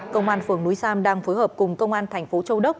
công an phường núi sam đang phối hợp cùng công an thành phố châu đốc